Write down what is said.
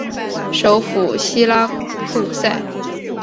首府锡拉库萨。